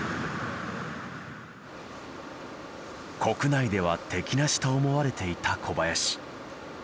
国内では敵なしと思われていた小林。